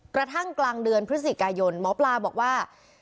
กระทั่งกลางเดือนพฤศจิกายนหมอปลาบอกว่า